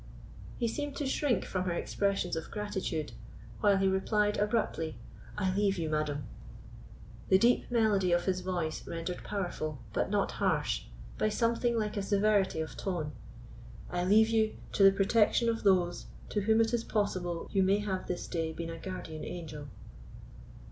He seemed to shrink from her expressions of gratitude, while he replied abruptly, "I leave you, madam," the deep melody of his voice rendered powerful, but not harsh, by something like a severity of tone—"I leave you to the protection of those to whom it is possible you may have this day been a guardian angel."